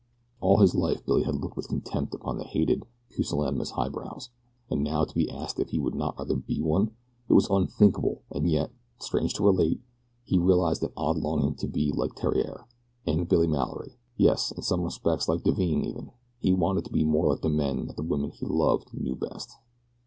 All his life Billy had looked with contempt upon the hated, pusillanimous highbrows, and now to be asked if he would not rather be one! It was unthinkable, and yet, strange to relate, he realized an odd longing to be like Theriere, and Billy Mallory; yes, in some respects like Divine, even. He wanted to be more like the men that the woman he loved knew best.